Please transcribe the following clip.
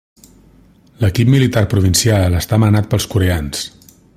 L'equip militar provincial està manat pels coreans.